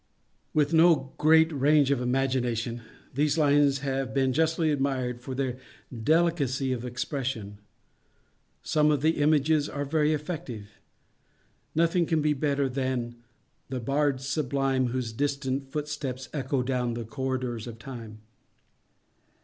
With no great range of imagination, these lines have been justly admired for their delicacy of expression. Some of the images are very effective. Nothing can be better than— ———————the bards sublime, Whose distant footsteps echo Down the corridors of Time.